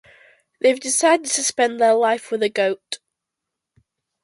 They’ve decided to spend their life with a goat.